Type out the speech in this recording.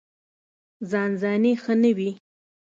ځان ځاني ښه نه وي.